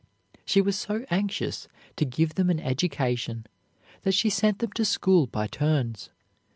She was so anxious to give them an education that she sent them to school by turns.